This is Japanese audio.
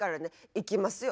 行きますよ。